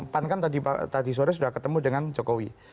pan kan tadi sore sudah ketemu dengan jokowi